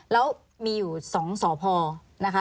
แล้วมีอยู่๒สพนะคะ